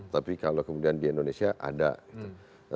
tapi kalau kemudian di indonesia ada gitu